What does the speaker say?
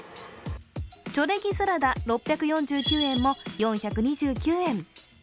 チョレギサラダ６４９円も４２９円。